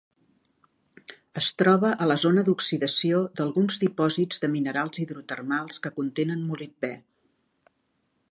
Es troba a la zona d'oxidació d'alguns dipòsits de minerals hidrotermals que contenen molibdè.